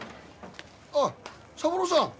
あっ三郎さん。